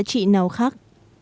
giá trị nào khác